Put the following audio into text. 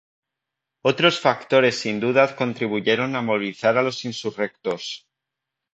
Otros factores sin duda contribuyeron a movilizar a los insurrectos.